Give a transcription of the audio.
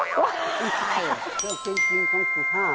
เครื่องกินจิ้มของอยู่ข้าง